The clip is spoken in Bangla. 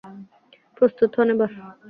প্রস্তুত হন এবার!